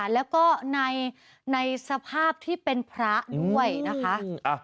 แล้วก็ในสภาพที่เป็นพระด้วยนะคะ